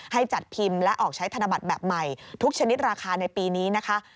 ให้จัดพิมพ์และออกใช้ธนบัตรแบบใหม่ทุกชนิดราคาในปีนี้นะคะ